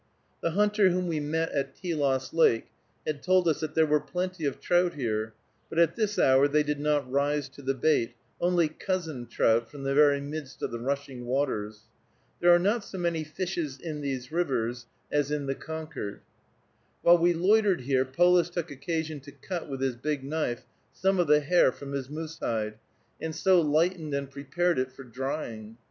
The hunter whom we met at Telos Lake had told us that there were plenty of trout here, but at this hour they did not rise to the bait, only cousin trout, from the very midst of the rushing waters. There are not so many fishes in these rivers as in the Concord. While we loitered here, Polis took occasion to cut with his big knife some of the hair from his moose hide, and so lightened and prepared it for drying.